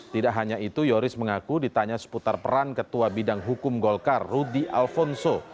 tidak hanya itu yoris mengaku ditanya seputar peran ketua bidang hukum golkar rudy alfonso